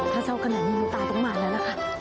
ถ้าเศร้ากันอย่างนี้ตาต้องมาแล้วนะคะ